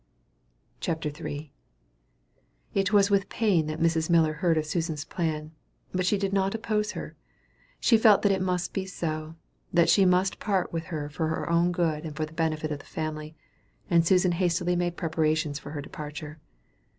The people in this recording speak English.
CHAPTER III. It was with pain that Mrs. Miller heard of Susan's plan; but she did not oppose her. She felt that it must be so, that she must part with her for her own good and the benefit of the family; and Susan hastily made preparations for her departure.